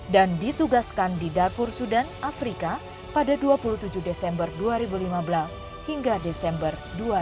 dan ditugaskan di darfur sudan afrika pada dua puluh tujuh desember dua ribu lima belas hingga desember dua ribu enam belas